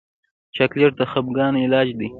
چاکلېټ د خفګان علاج دی.